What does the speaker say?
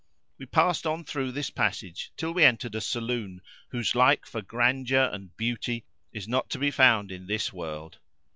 We passed on through this passage till we entered a saloon, whose like for grandeur and beauty is not to be found in this world.